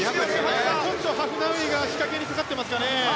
ハフナウイが仕掛けにかかっていますかね。